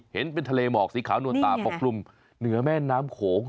เห็นเป็นทะเลหมอกสีขาวนวลตาปกกลุ่มเหนือแม่น้ำโขง